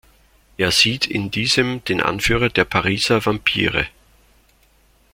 Er sieht in diesem den Anführer der Pariser Vampire.